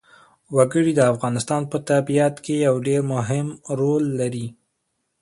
وګړي د افغانستان په طبیعت کې یو ډېر مهم رول لري.